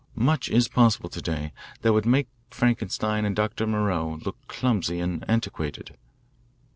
Much is possible to day that would make Frankenstein and Dr. Moreau look clumsy and antiquated."